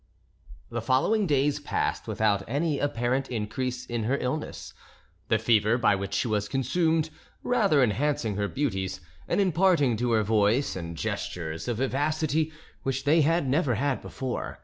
The following days passed without any apparent increase in her illness, the fever by which she was consumed rather enhancing her beauties, and imparting to her voice and gestures a vivacity which they had never had before.